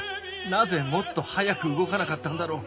なぜもっと早く動かなかったんだろう